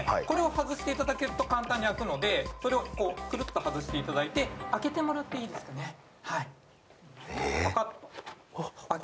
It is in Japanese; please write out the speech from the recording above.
これを外していただけると簡単に開くので、それをくるっと外していただいて開けていただいていいですかね。